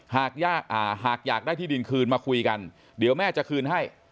หากอยากได้ที่ดินคืนมาคุยกันเดี๋ยวแม่จะคืนให้